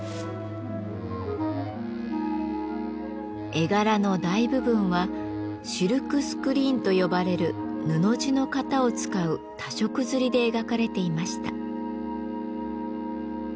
絵柄の大部分はシルクスクリーンと呼ばれる布地の型を使う多色刷りで描かれていました。